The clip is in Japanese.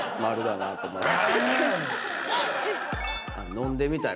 「のんでみたい」